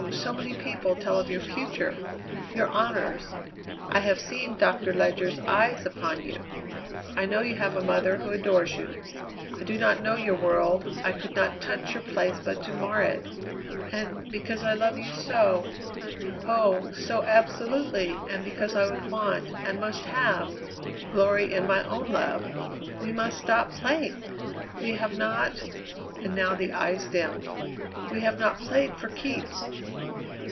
so many people, tell of your future, your honours. I have seen Doctor Ledyard's eyes upon you; I know you have a mother who adores you. I do not know your world; I could not touch your place but to mar it, and, because I love you so oh! so absolutely, and because I would want, and must have, glory in my own love we must stop playing! We have not" and now the eyes dimmed "we have not played for keeps!"